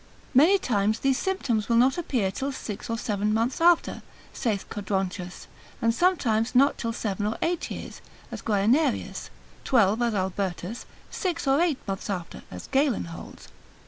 Many times these symptoms will not appear till six or seven months after, saith Codronchus; and sometimes not till seven or eight years, as Guianerius; twelve as Albertus; six or eight months after, as Galen holds.